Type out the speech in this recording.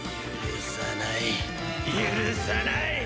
許さない許さないわーっ！